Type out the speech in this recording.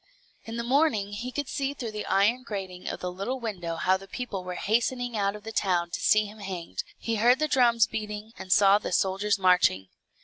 In the morning he could see through the iron grating of the little window how the people were hastening out of the town to see him hanged; he heard the drums beating, and saw the soldiers marching.